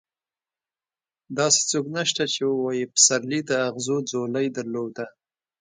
داسې څوک نشته چې ووايي پسرلي د اغزو ځولۍ درلوده.